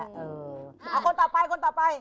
เอ้าก็ต่อไป